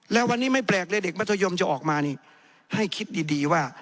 แล้ววันนี้ไม่แปลกเลยเด็กมัธยมจะออกมานี่ให้คิดดีว่า